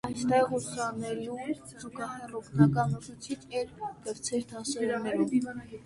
Այստեղ ուսանելուն զուգահեռ օգնական ուսուցիչ էր կրտսեր դասարաններում։